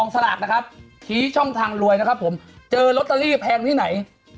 สลากนะครับชี้ช่องทางรวยนะครับผมเจอลอตเตอรี่แพงที่ไหน